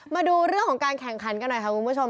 มาดูเรื่องของการแข่งขันกันหน่อยค่ะคุณผู้ชม